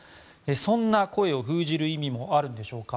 そんな声を封じる意味もあるんでしょうか。